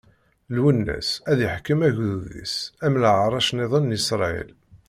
Lwennas ad iḥkem agdud-is, am leɛṛac-nniḍen n Isṛayil.